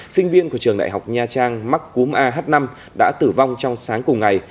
sinh viên của trường đại học nha trang mắc cúm ah năm đã tử vong trong sáng cùng ngày